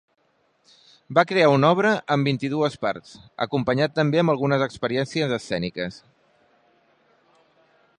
Va crear una obra en vint-i-dues parts, acompanyat també amb algunes exigències escèniques.